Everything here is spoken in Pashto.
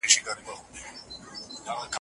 ما دا غلام د الله لپاره ازاد کړ.